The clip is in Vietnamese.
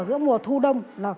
giữa mùa thu đông